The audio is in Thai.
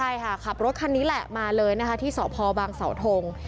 ใช่ค่ะขับรถคันนี้แหละมาเลยนะคะที่สพบางเสาทง